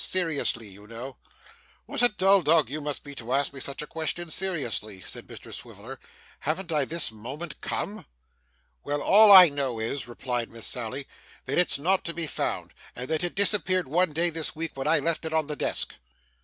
'Seriously, you know.' 'What a dull dog you must be to ask me such a question seriously,' said Mr Swiveller. 'Haven't I this moment come?' 'Well, all I know is,' replied Miss Sally, 'that it's not to be found, and that it disappeared one day this week, when I left it on the desk.